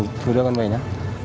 để kia chú đưa con về nha